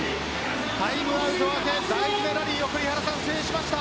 タイムアウト明け大事なラリーを制しました。